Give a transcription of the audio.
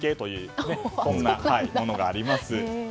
こんなものがあります。